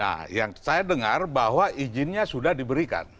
nah yang saya dengar bahwa izinnya sudah diberikan